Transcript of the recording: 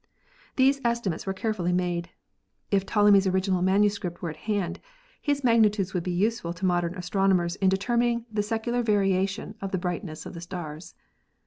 These estimates were carefully made. If Ptolemy's original manuscript were at hand his magnitudes would be useful to modern astrono mers in determining the secular variation of the bright ness of the stars.